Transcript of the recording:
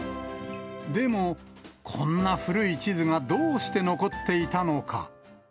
でも、こんな古い地図がどうして残っていたのか。